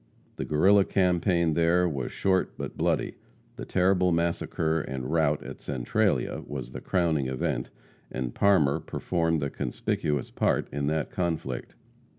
The Guerrilla campaign there was short but bloody. The terrible massacre and rout at Centralia was the crowning event, and Parmer performed a conspicuous part in that conflict.